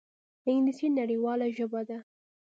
انګلیسي نړیواله ژبه ده